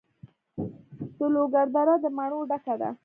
د لوګر دره د مڼو ډکه ده.